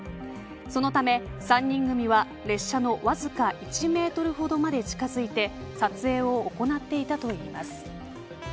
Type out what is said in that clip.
そのため、３人組は車のわずか１メートルほどまで近づいて撮影を行っていたといいます。